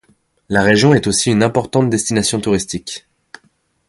La région est aussi une importante destination touristique.